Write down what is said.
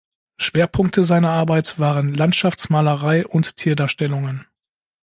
Schwerpunkte seiner Arbeit waren Landschaftsmalerei und Tierdarstellungen.